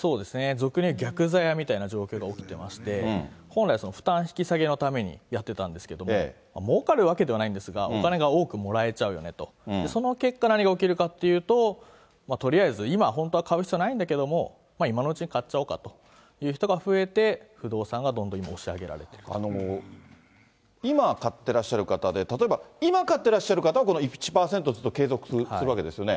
俗にいう、逆ざやみたいな状況が起きてまして、本来、負担引き下げのためにやってたんですけども、もうかるわけではないんですが、お金が多くもらえちゃうよと、その結果、何が起きるかというと、とりあえず、今、本当は買う必要ないんだけれども、今のうちに買っちゃおうかという人が増えて、不動産がどんどん今、今、買ってらっしゃる方で、例えば、今買ってらっしゃる方は、この１％をずっと継続するわけですよね。